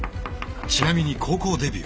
ちなみに高校デビュー。